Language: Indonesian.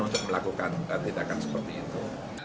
untuk melakukan tindakan seperti itu